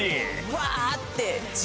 わぁ！って。